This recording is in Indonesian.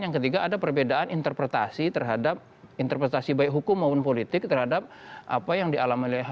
yang ketiga ada perbedaan interpretasi terhadap interpretasi baik hukum maupun politik terhadap apa yang dialami oleh